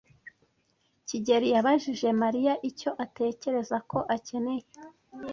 kigeli yabajije Mariya icyo atekereza ko akeneye.